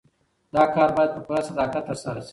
دا کار باید په پوره صداقت ترسره سي.